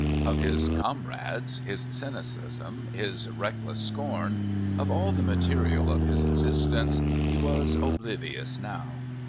Of his comrades, his cynicism, his reckless scorn of all the material of his existence he was oblivious now.